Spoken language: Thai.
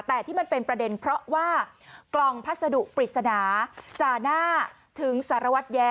แต่ที่มันเป็นประเด็นเพราะว่ากล่องพัสดุปริศนาจ่าหน้าถึงสารวัตรแย้